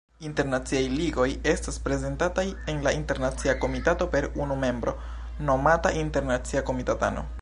Internaciaj Ligoj estas reprezentataj en la Internacia Komitato per unu membro, nomata Internacia Komitatano.